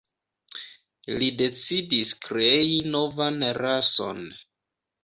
Li decidis krei novan rason.